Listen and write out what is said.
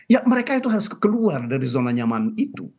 ya mereka itu harus keluar dari zona nyaman itu